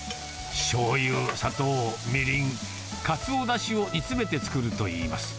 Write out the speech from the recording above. しょうゆ、砂糖、みりん、かつおだしを煮詰めて作るといいます。